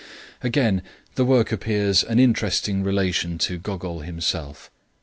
Again, the work bears an interesting relation to Gogol himself.